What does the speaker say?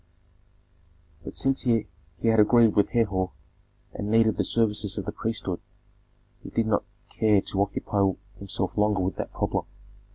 But since he had agreed with Herhor, and needed the services of the priesthood, he did not care to occupy himself longer with that problem.